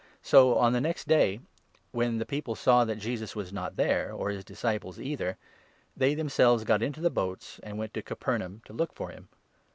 So, on the next day, when the people saw that Jesus was not there, or his disciples either, they themselves got into the boats, and went to Capernaum to look for him.